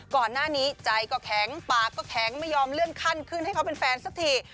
ก่อนหน้านี้ใจก็แข็งปากก็แข็งไม่ยอมเลื่อนขั้นขึ้นให้เขาเป็นแฟนสักที